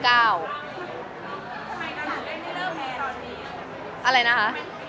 อะไรนะคะ